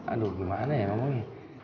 aduh gimana ya emang